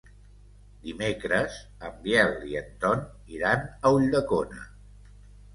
Dimecres en Biel i en Ton iran a Ulldecona.